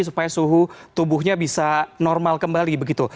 supaya suhu tubuhnya bisa normal kembali begitu